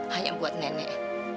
hanya buat nenek